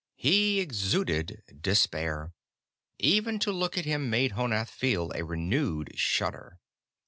He exuded despair; even to look at him made Honath feel a renewed shudder.